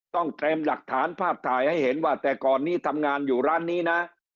ต้องเตรียมหลักฐานภาพถ่ายให้เห็นว่าแต่ก่อนนี้ทำงานอยู่ร้านนี้นะ